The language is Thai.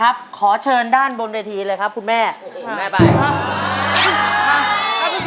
อะมานี่จัดเลย